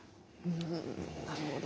うんなるほど。